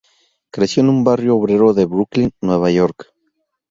Creció en un barrio obrero de Brooklyn, Nueva York.